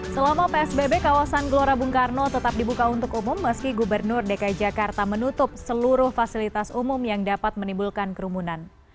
selama psbb kawasan gelora bung karno tetap dibuka untuk umum meski gubernur dki jakarta menutup seluruh fasilitas umum yang dapat menimbulkan kerumunan